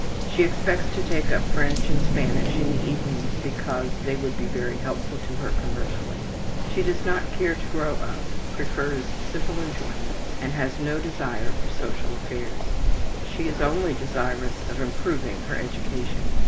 She expects to take up French and Spanish in the evenings because they would be very helpful to her commercially. She does not care to grow up, prefers simple enjoyments, and has no desire for social affairs. She is only desirous of improving her education.